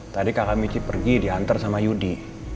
tadi kakak miki pergi diantar sama yudi